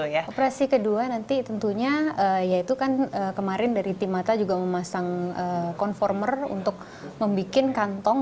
operasi kedua nanti tentunya ya itu kan kemarin dari tim mata juga memasang conformer untuk membuat kantong